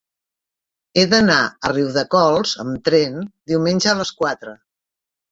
He d'anar a Riudecols amb tren diumenge a les quatre.